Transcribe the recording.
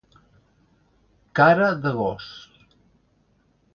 Cara de gos.